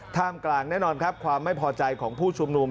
ท่ามกลางแน่นอนครับความไม่พอใจของผู้ชุมนุม